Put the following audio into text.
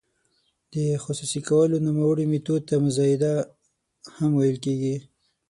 د خصوصي کولو نوموړي میتود ته مزایده هم ویل کیږي.